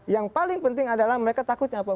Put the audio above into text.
yang paling penting adalah mereka takutnya apa